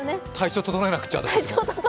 体調整えなくちゃ。